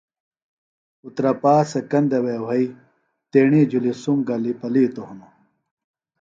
اُترپا سےۡ کندہ وے وھئیۡ تیڻی جُھلیۡ سُم گلیۡ پلِیتوۡ ہنوۡ